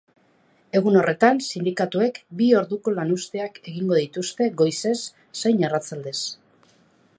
Egun horretan, sindikatuek bi orduko lanuzteak egingo dituzte goizez zein arratsaldez.